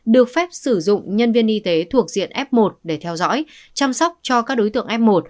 được phép sử dụng nhân viên y tế thuộc diện f một để theo dõi chăm sóc cho các đối tượng f một